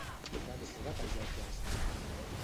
Van ser batejats els nens?